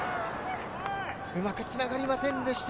うまくつながりませんでした。